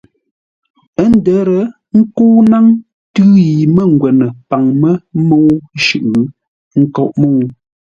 Ə́ ndə̌r ńkə́u ńnáŋ tʉ̌ yi mə́ngwə́nə paŋ mə́ mə́u shʉʼʉ, ə́ nkóʼ mə́u.